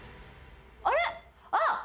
あれっあっ！